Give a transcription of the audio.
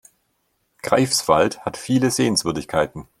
Greifswald hat viele Sehenswürdigkeiten